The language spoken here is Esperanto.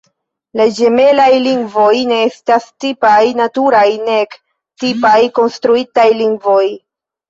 La ĝemelaj lingvoj ne estas tipaj naturaj nek tipaj konstruitaj lingvoj.